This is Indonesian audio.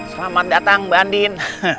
selamat datang mbak andien